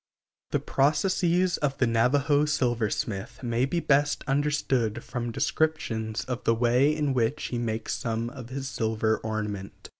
The processes of the Navajo silversmith may be best understood from descriptions of the ways in which he makes some of his silver ornament.